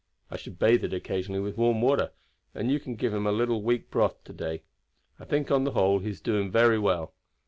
I should bathe it occasionally with warm water, and you can give him a little weak broth to day. I think, on the whole, he is doing very well.